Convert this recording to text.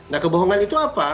nah kebohongan itu apa